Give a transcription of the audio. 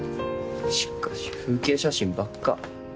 しかし風景写真ばっか。